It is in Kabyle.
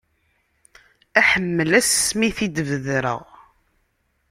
Aḥemmel ass mi i t-id-bedreɣ.